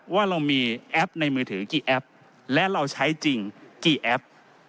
ว่าเรามีแอปในมือถือกี่แอปและเราใช้จริงกี่แอป